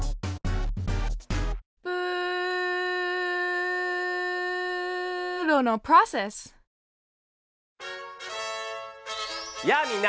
プーロのプロセスやあみんな。